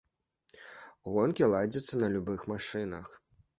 Гонкі ладзяцца на любых машынах.